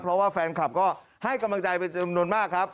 เพราะว่าแฟนคลับก็ให้กำลังใจเป็นจำนวนมากครับ